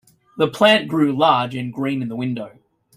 The plant grew large and green in the window.